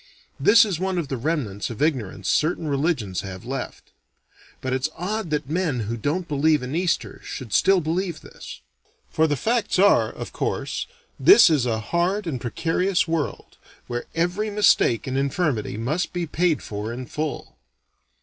This is one of the remnants of ignorance certain religions have left: but it's odd that men who don't believe in Easter should still believe this. For the facts are of course this is a hard and precarious world, where every mistake and infirmity must be paid for in full.